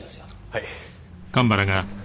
はい。